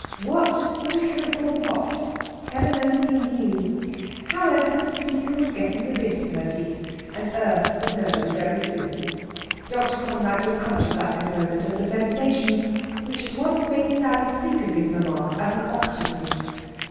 What would account for what? Heaven only knew! However, the speaker was getting the bit in her teeth, and earth would know very soon. Dr. Conrad was conscious at this moment of the sensation which had once made Sally speak of his mamma as an Octopus.